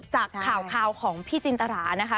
จากข่าวของพี่จินตรานะคะ